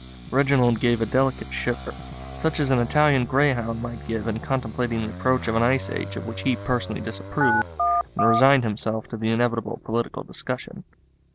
Reginald gave a delicate shiver, such as an Italian greyhound might give in contemplating the approach of an ice age of which he personally disapproved, and resigned himself to the inevitable political discussion.